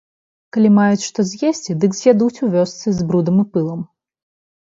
Калі маюць што з'есці, дык з'ядуць у вёсцы з брудам і пылам.